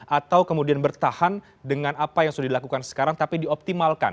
atau kemudian bertahan dengan apa yang sudah dilakukan sekarang tapi dioptimalkan